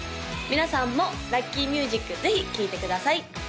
皆さんもラッキーミュージックぜひ聴いてください